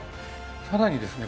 さらにですね